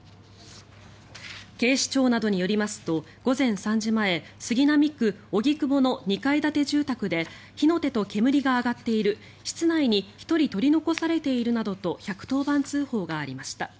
警視庁などによりますと午前３時前杉並区荻窪の２階建て住宅で火の手と煙が上がっている室内に１人取り残されているなどと１１０番通報がありました。